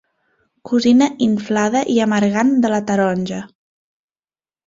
Cosina inflada i amargant de la taronja.